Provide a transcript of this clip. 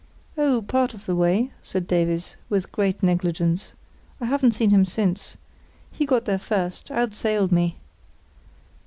"Oh, part of the way," said Davies, with great negligence. "I haven't seen him since. He got there first; outsailed me."